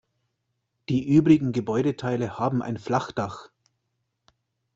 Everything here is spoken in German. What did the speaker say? Die übrigen Gebäudeteile haben ein Flachdach.